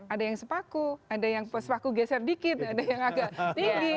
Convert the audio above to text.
ada yang sepaku ada yang pos paku geser dikit ada yang agak tinggi